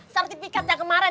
sertifikat yang kemarin